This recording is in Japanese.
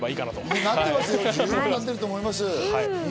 なってると思います。